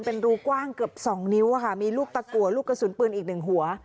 เป็นรูกว้างเกือบ๒นิ้วค่ะมีลูกตะกัวลูกกระสุนปืนอีกหนึ่งหัว